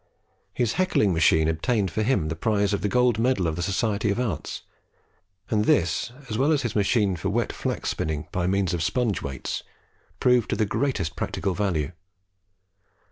His heckling machine obtained for him the prize of the gold medal of the Society of Arts; and this as well as his machine for wet flax spinning by means of sponge weights proved of the greatest practical value.